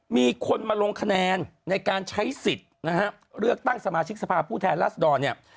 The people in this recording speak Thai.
มีคนมาลงคะแนนในการใช้สิทธิ์นะฮะเลือกตั้งสมาชิกสภาพผู้แทนรัศดรเนี่ย